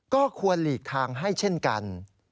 ก็ควรหลีกทางให้เช่นกัน